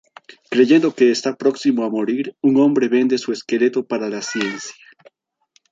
Creyendo que está próximo a morir, un hombre vende su esqueleto para la ciencia.